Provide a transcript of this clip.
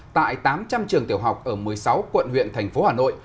tại tám trăm linh trường tiểu học ở một mươi sáu quận huyện thành phố hà nội